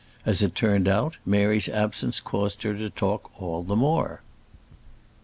As it turned out, Mary's absence caused her to talk all the more.